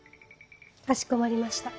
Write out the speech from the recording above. かしこまりました。